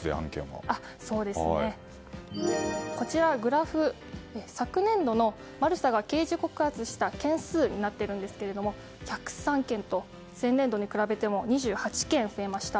そうですね、こちらのグラフ昨年度のマルサが刑事告発した件数になっているんですが１０３件と、前年度に比べても２８件増えました。